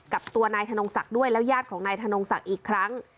กับตัวนายธนงศักดิ์ด้วยแล้วญาติของนายธนงศักดิ์อีกครั้ง